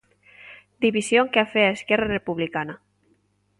División que afea Esquerra Republicana...